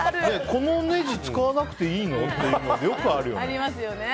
このねじ使わなくていいの？ってよくあるよね。